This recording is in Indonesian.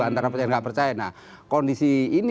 nah kondisi ini